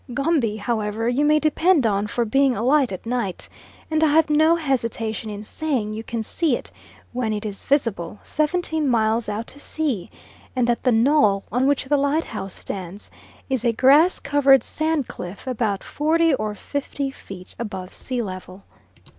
Gombi, however, you may depend on for being alight at night, and I have no hesitation in saying you can see it, when it is visible, seventeen miles out to sea, and that the knoll on which the lighthouse stands is a grass covered sand cliff, about forty or fifty feet above sea level.